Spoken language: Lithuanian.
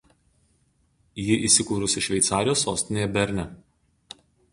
Ji įsikūrusi Šveicarijos sostinėje Berne.